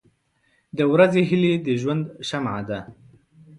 • د ورځې هیلې د ژوند شمع ده.